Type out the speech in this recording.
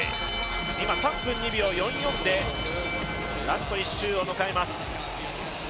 今３分２秒４４でラスト１周を迎えます。